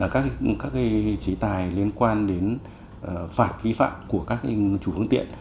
các chế tài liên quan đến phạt vi phạm của các chủ phương tiện